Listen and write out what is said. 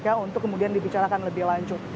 pansel kpk untuk kemudian dibicarakan lebih lanjut